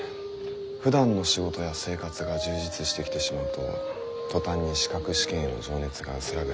ふだんの仕事や生活が充実してきてしまうと途端に資格試験への情熱が薄らぐ。